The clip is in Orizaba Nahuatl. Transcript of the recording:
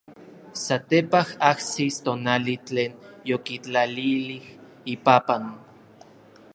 Satepaj ajsis tonali tlen yokitlalilij ipapan.